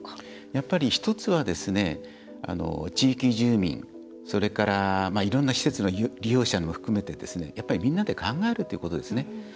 やっぱり１つは、地域住民それから、いろんな施設の利用者も含めてみんなで考えるということです。